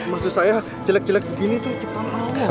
maksud saya jalak jalak begini tuh ciptaan allah